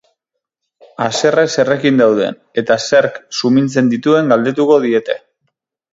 Haserre zerekin dauden eta zerk sumintzen dituen galdetuko diete.